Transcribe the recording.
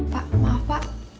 pak maaf pak